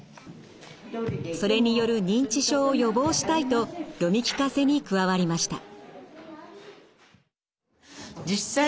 それによる認知症を予防したいと読み聞かせに加わりました。